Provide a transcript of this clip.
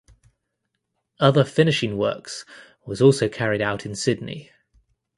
Other finishing works was also carried out in Sydney.